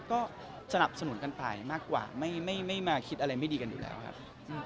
ก็สนับสนุนกันไปมากกว่าไม่มาคิดอะไรไม่ดีกันอยู่แล้วครับ